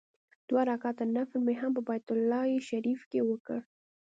دوه رکعاته نفل مې هم په بیت الله شریفه کې وکړ.